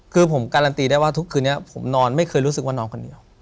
คือผมการันตีได้ว่าทุกคืนนี้ผมนอนไม่เคยรู้สึกว่านอนคนเดียว